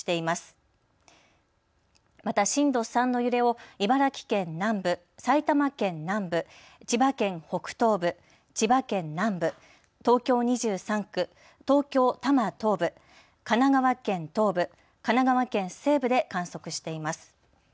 また震度３の揺れを茨城県南部、埼玉県南部、千葉県北東部、千葉県南部、東京２３区、東京多摩東部、神奈川県東部、神奈川県西部で観測しています。